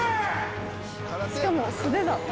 しかも素手だ。